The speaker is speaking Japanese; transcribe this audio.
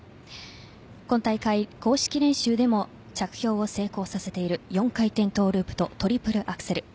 今大会、公式練習でも着氷を成功させている４回転トゥループとトリプルアクセル。